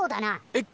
えっ！